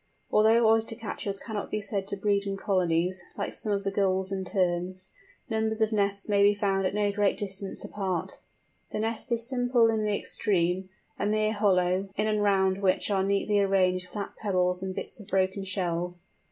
Although Oyster catchers cannot be said to breed in colonies, like some of the Gulls and Terns, numbers of nests may be found at no great distance apart. The nest is simple in the extreme—a mere hollow, in and round which are neatly arranged flat pebbles and bits of broken shells.